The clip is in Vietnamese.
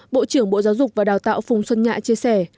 bộ trưởng bộ giáo dục và đào tạo phùng xuân nhạ chia sẻ